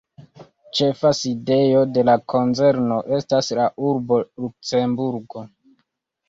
Ĉefa sidejo de la konzerno estas la urbo Luksemburgo.